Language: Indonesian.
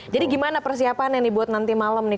jadi gimana persiapannya nih buat nanti malam nih